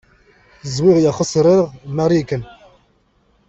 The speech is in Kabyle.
Ẓwiɣ ya xezreɣ Marikan.